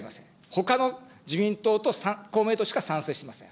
ほかの、自民党と公明党しか賛成してません。